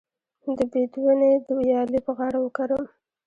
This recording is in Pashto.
د بید ونې د ویالې په غاړه وکرم؟